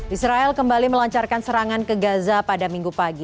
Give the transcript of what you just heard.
israel kembali melancarkan serangan ke gaza pada minggu pagi